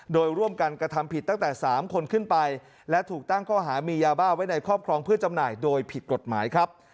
โดยร่วมกันกระทำผิดตั้งแต่๓คนขึ้นไปและถูกตั้งข้อหามียาบ้าไว้ในครอบครองเพื่อจำหน่ายโดยผิดกฎหมายครับ